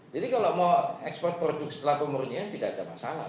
kalau mau ekspor produk setelah pemurnian tidak ada masalah